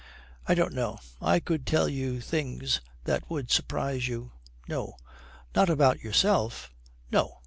'I don't know, I could tell you things that would surprise you.' 'No! Not about yourself?' 'No.